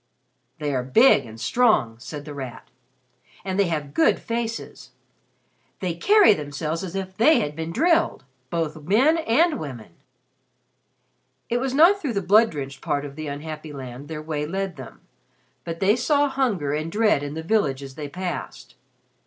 '" "They are big and strong," said The Rat. "And they have good faces. They carry themselves as if they had been drilled both men and women." It was not through the blood drenched part of the unhappy land their way led them, but they saw hunger and dread in the villages they passed.